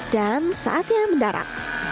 dan saatnya mendarat